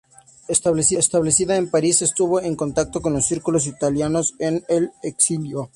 Establecida en París, estuvo en contacto con los círculos italianos en el exilio.